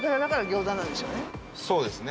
そうですね。